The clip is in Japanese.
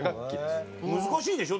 難しいでしょ？